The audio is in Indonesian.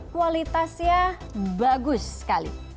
kualitasnya bagus sekali